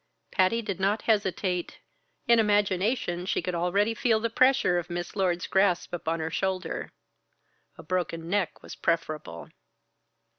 Patty did not hesitate. In imagination she could already feel the pressure of Miss Lord's grasp upon her shoulder. A broken neck was preferable.